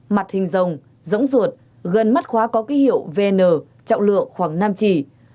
mặt hình rồng rỗng ruột gần mắt khóa có ký hiệu vn trọng lượng khoảng năm chỉ